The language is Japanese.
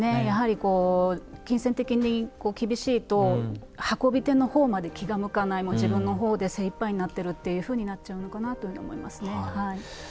やはりこう金銭的にこう厳しいと運び手の方まで気が向かないもう自分の方で精いっぱいになってるっていうふうになっちゃうのかなというように思いますね。